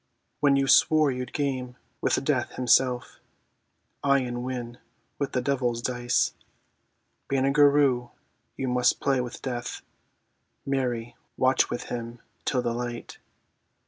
When you swore you'd game with Death himself; Aye, and win with the devil's dice. Banagher Rhue, you must play with Death, (Mary, watch with him till the light!)